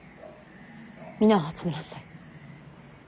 皆を集めなさい。